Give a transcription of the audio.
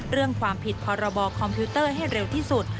เรื่องความผิดพรบคอมพิวเตอร์ให้เร็วที่สุด